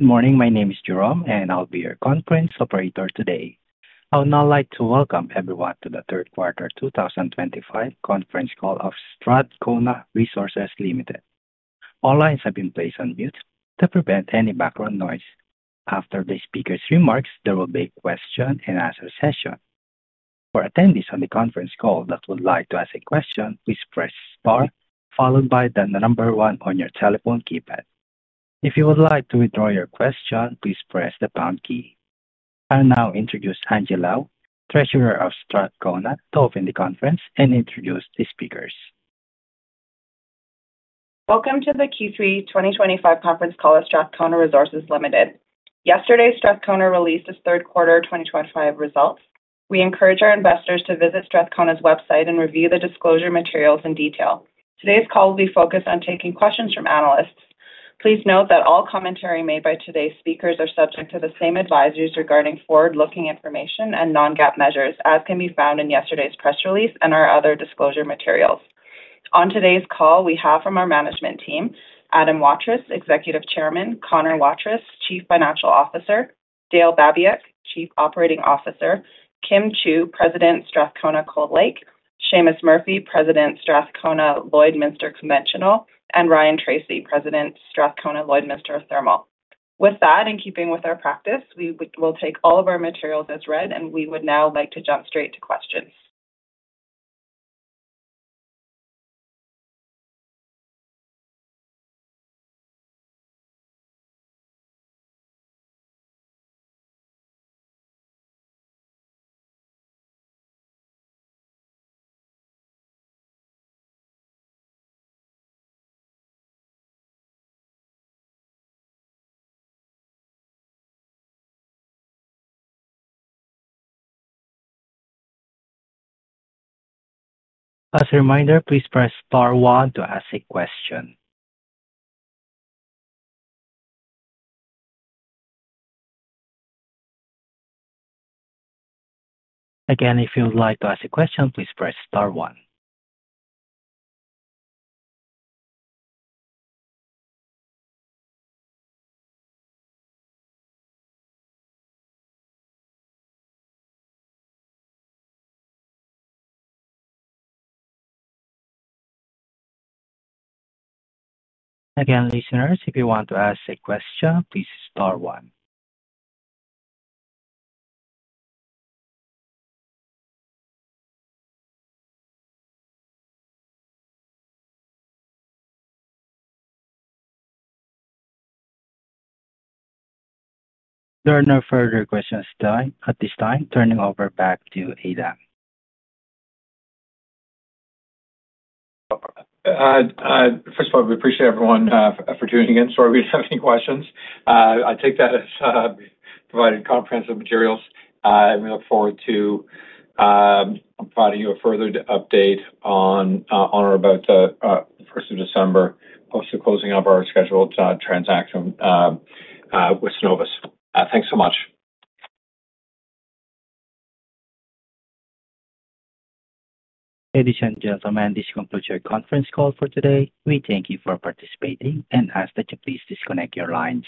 Good morning, my name is Jerome, and I'll be your conference operator today. I would now like to welcome everyone to the Third Quarter 2025 Conference Call of Strathcona Resources Limited. All lines have been placed on mute to prevent any background noise. After the speaker's remarks, there will be a question-and-answer session. For attendees on the conference call that would like to ask a question, please press star followed by the number one on your telephone keypad. If you would like to withdraw your question, please press the pound key. I'll now introduce Angie Lau, Treasurer of Strathcona, to open the conference and introduce the speakers. Welcome to the Q3 2025 Conference Call of Strathcona Resources Limited. Yesterday, Strathcona released its third quarter 2025 results. We encourage our investors to visit Strathcona's website and review the disclosure materials in detail. Today's call will be focused on taking questions from analysts. Please note that all commentary made by today's speakers are subject to the same advisories regarding forward-looking information and non-GAAP measures, as can be found in yesterday's press release and our other disclosure materials. On today's call, we have from our management team: Adam Waterous, Executive Chairman; Connor Waterous, Chief Financial Officer; Dale Babiak, Chief Operating Officer; Kim Chu, President Strathcona Cold Lake; Seamus Murphy, President Strathcona Lloydminster Conventional; and Ryan Tracy, President Strathcona Lloydminster Thermal. With that, in keeping with our practice, we will take all of our materials as read, and we would now like to jump straight to questions. As a reminder, please press star one to ask a question. Again, if you would like to ask a question, please press star one. Again, listeners, if you want to ask a question, please use star one. There are no further questions at this time. Turning over back to Adam. First of all, we appreciate everyone for tuning in. If you have any questions, I take that as providing comprehensive materials, and we look forward to providing you a further update on or about the 1st of December, close to closing up our scheduled transaction with Cenovus. Thanks so much. Ladies and gentlemen, this concludes your conference call for today. We thank you for participating, and ask that you please disconnect your lines.